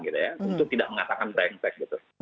untuk tidak mengatakan brengsek